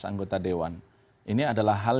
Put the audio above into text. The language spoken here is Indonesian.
anggota dewan ini adalah hal